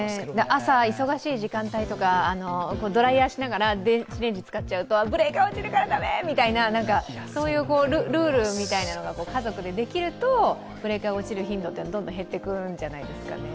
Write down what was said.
朝忙しい時間帯とかドライヤーしながら電子レンジを使っちゃうと、ブレーカーが落ちるから駄目みたいな、そういうルールみたいなのが家族でできるとブレーカーが落ちる頻度はどんどん減っていくんじゃないですかね。